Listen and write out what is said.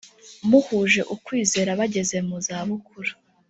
muhuje ukwizera bageze mu zabukuru